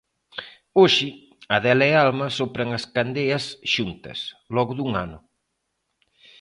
Hoxe, Adela e Alma sopran as candeas xuntas, logo dun ano...